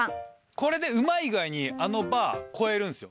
これでうまい具合にあのバー越えるんすよ。